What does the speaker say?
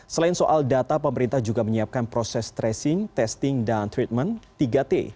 selain soal data pemerintah juga menyiapkan proses tracing testing dan treatment tiga t